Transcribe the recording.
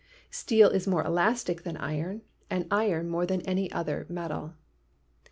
Steel is more elastic than iron and iron more than any other metal.